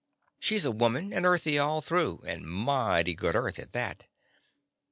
She 's woman and earthly all through, and mighty good earth at that.